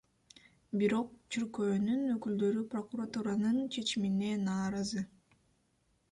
Бирок чиркөөнүн өкүлдөрү прокуратуранын чечимине нааразы.